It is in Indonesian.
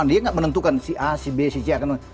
dia tidak menentukan si a si b si c